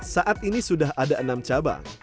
saat ini sudah ada enam cabang